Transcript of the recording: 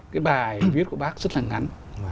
cái bài viết của bác rất là ngắn